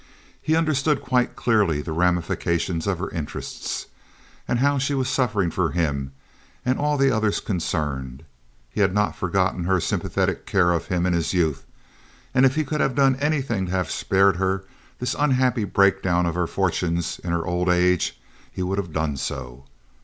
He understood quite clearly the ramifications of her interests, and how she was suffering for him and all the others concerned. He had not forgotten her sympathetic care of him in his youth; and if he could have done anything to have spared her this unhappy breakdown of her fortunes in her old age, he would have done so.